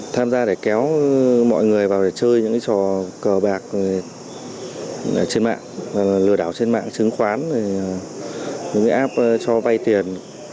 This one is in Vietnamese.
tham gia để kéo mọi người vào để chơi những trò cờ bạc trên mạng và lừa đảo trên mạng chứng khoán những cái app cho vay tiền